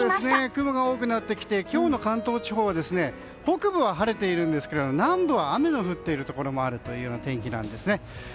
雲が多くなってきて今日の関東地方は北部は晴れているんですが南部は雨の降っているところもあるというような天気なんですね。